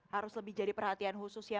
harus lebih jadi perhatian khusus ya